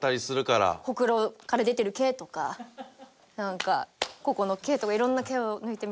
ほくろから出てる毛とかなんかここの毛とか色んな毛を抜いてみたい。